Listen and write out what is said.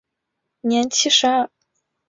年七十二。